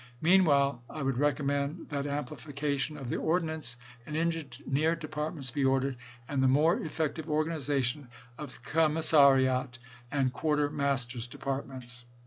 Meanwhile I would recommend that amplification of the Ordnance and Engineer departments be ordered, and the more effective organization of the Commissariat and Quarter masters' departments.